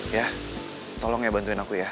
ya tolong ya bantuin aku ya